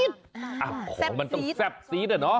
อ๋อมันต้องแซ่บซี๊ดเนี่ยเนาะ